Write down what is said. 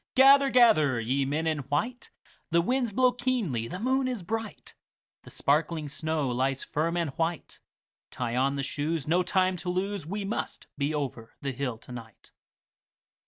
Gather, gather, ye men in white; The winds blow keenly, the moon is bright, The sparkling snow lies firm and white; Tie on the shoes, no time to lose, We must be over the hill to night.